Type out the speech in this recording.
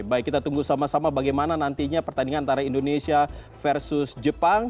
baik kita tunggu sama sama bagaimana nantinya pertandingan antara indonesia versus jepang